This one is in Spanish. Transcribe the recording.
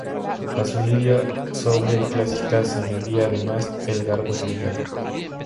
A su lidia, sobria y clásica, se añadía, además, el garbo sevillano.